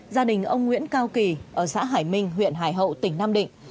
gia đình ông nguyễn cao kỳ ở xã hải minh huyện hải hậu tỉnh nam định